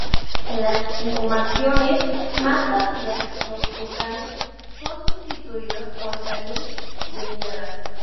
En las inhumaciones más tardías los kurganes son sustituidos por "cairns" de piedra.